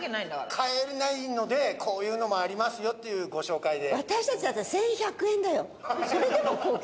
買えないのでこういうのもありますよっていうご紹介で。